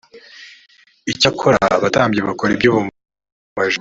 icyakora abatambyi bakora iby ubumaji